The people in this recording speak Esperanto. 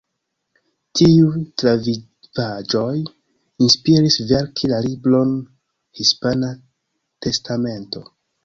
Tiuj travivaĵoj inspiris verki la libron „Hispana Testamento“.